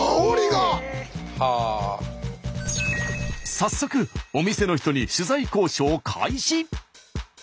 早速お店の人に取材交渉開始。